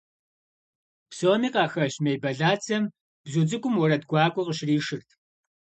Псоми къахэщ мей бэлацэм бзу цӀыкӀум уэрэд гуакӀуэ къыщришырт.